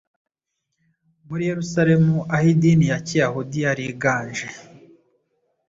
Muri Yerusalemu aho Idini ya Kiyahudi yari iganje,